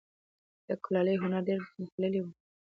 د کلالي هنر ډیر پرمختللی و